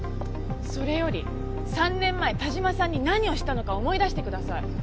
それより３年前但馬さんに何をしたのか思い出してください。